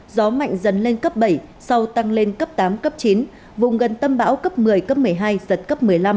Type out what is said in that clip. gió mạnh dần lên cấp bảy sau tăng lên cấp tám cấp chín vùng gần tâm bão cấp một mươi cấp một mươi hai giật cấp một mươi năm